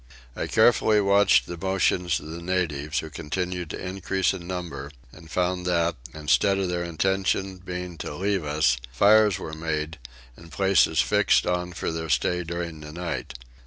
I carefully watched the motions of the natives, who continued to increase in number, and found that, instead of their intention being to leave us, fires were made, and places fixed on for their stay during the night.